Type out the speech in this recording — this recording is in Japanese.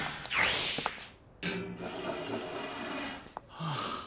はあ。